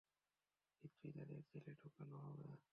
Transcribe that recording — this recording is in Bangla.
নিশ্চয়ই তাদের জেলে ঢুকানো হবে।